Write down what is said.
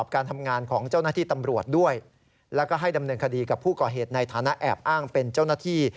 การดำเนินคดีกับผู้ก่อเหตุในฐานะแอบอ้างเป็นเจ้าหน้าที่